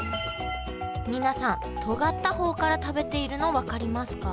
皆さんとがった方から食べているの分かりますか？